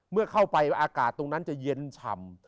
เมื่อเข้าไปอากาศตรงนั้นจะเย็นฉ่ำ